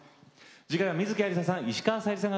次回は観月ありささん